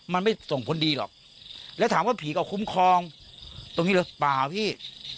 มันไม่ส่งผลดีหรอกแล้วถามว่าผีก็คุ้มครองตรงนี้หรือเปล่าพี่